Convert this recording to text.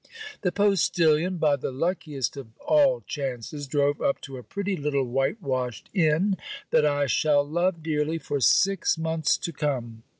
The postilion, by the luckiest of all chances, drove up to a pretty little white washed inn, that I shall love dearly for six months to come.